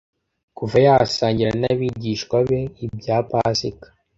Kuva yasangira n'abigishwa be ibya Pasika,